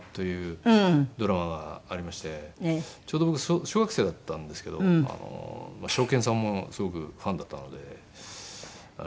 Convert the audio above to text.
ちょうど僕小学生だったんですけどショーケンさんもすごくファンだったので。